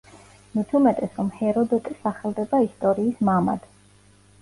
მით უმეტეს რომ ჰეროდოტე სახელდება ისტორიის მამად.